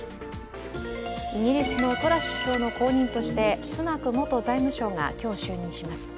イギリスのトラス首相の後任としてスナク元財務相が今日、就任します。